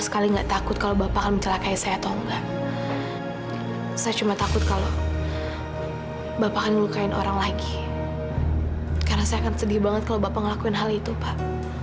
karena saya akan sedih banget kalau bapak ngelakuin hal itu pak